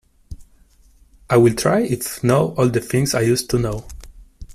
I’ll try if I know all the things I used to know.